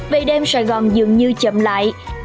về đêm sài gòn dường như chậm lại